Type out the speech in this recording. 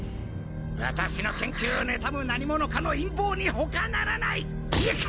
私の研究をねたむ何者かの陰謀に他ならない！